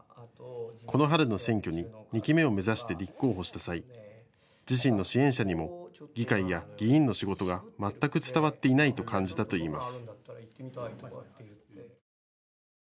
この春の選挙に２期目を目指して立候補した際、自身の支援者にも議会や議員の仕事が全く伝わっていないと感じたといいます。